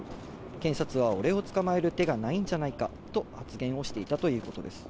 検察は俺を捕まえる手がないんじゃないかと発言をしていたということです。